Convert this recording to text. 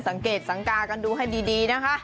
สังเกตสังกากันดูให้ดีนะคะ